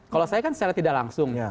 kalau saya kan secara tidak langsung